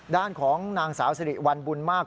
ด้านของนางสาวสิริวัลบุญมาก